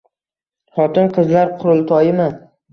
Xotin-qizlar qurultoyimi?